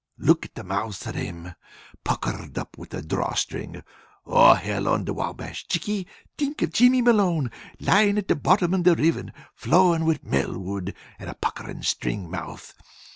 Look at the mouths of thim! Puckered up with a drawstring! Oh, Hell on the Wabash, Chickie, think of Jimmy Malone lyin' at the bottom of a river flowin' with Melwood, and a puckerin' string mouth!